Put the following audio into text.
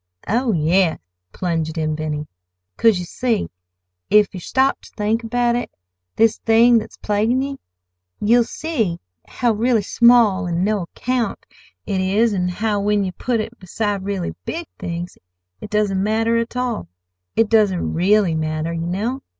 "Oh, yes," plunged in Benny; "'cause, you see, if yer stop ter think about it—this thing that's plaguin' ye—you'll see how really small an' no account it is, an' how, when you put it beside really big things it doesn't matter at all—it doesn't really matter, ye know.